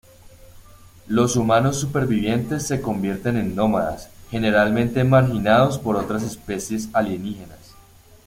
Los humanos supervivientes se convierten en nómadas, generalmente marginados por otras especies alienígenas.